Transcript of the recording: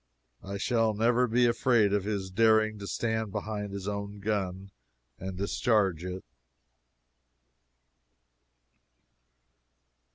I shall never be afraid of his daring to stand behind his own gun and discharge it.